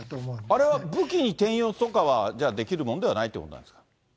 あれは武器に転用とかは、できるものではないということなんですか。